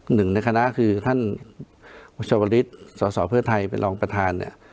หนึ่งในคณะคือท่านสตเผื้อไทยเป็นรองประธานเนี้ย